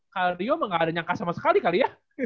kario gak ada nyangka sama sekali kali ya